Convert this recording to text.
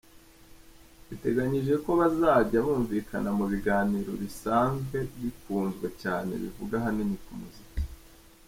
Biteganijwe ko bazajya bumvikana mu biganiro bisanzwe bikunzwe cyane bivuga ahanini ku muziki.